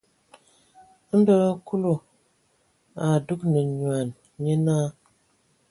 Ndo hm Kúlu a dúgan nyoan, nyé náa.